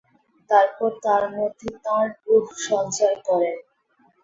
তারপর তার মধ্যে তাঁর রূহ্ সঞ্চার করেন।